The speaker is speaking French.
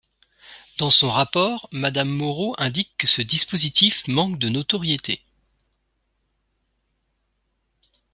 Dans son rapport, Madame Moreau indique que ce dispositif manque de notoriété.